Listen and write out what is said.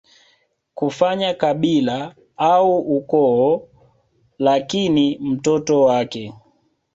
kufanya kabila au ukoo Lakini mtoto wake